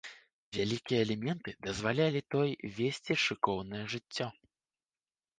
Вялікія аліменты дазвалялі той весці шыкоўнае жыццё.